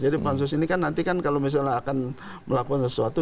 jadi pansus ini kan nanti kalau misalnya akan melakukan sesuatu